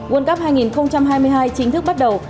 world cup hai nghìn hai mươi hai chính thức bắt đầu